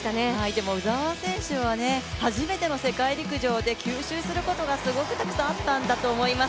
でも鵜澤選手は初めての世界陸上で吸収することがすごくたくさんあったんだと思います。